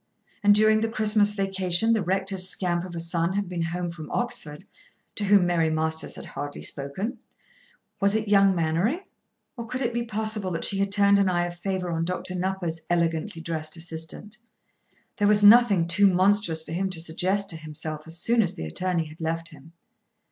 And during the Christmas vacation the rector's scamp of a son had been home from Oxford, to whom Mary Masters had barely spoken. Was it young Mainwaring? Or could it be possible that she had turned an eye of favour on Dr. Nupper's elegantly dressed assistant. There was nothing too monstrous for him to suggest to himself as soon as the attorney had left him.